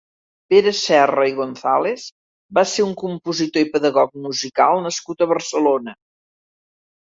Pere Serra i Gonzàlez va ser un compositor i pedagog musical nascut a Barcelona.